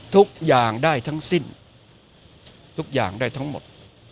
ทุกอย่างได้ทั้งสิ้นทุกอย่างได้ทั้งหมด